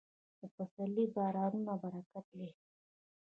د پسرلي بارانونه برکت دی.